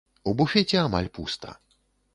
У буфеце амаль пуста.